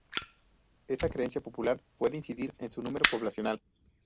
Esta creencia popular puede incidir en su número poblacional.